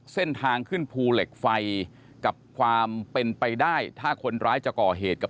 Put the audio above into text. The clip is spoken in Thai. เส้นทางขึ้นภูเหล็กไฟกับความเป็นไปได้ถ้าคนร้ายจะก่อเหตุกับ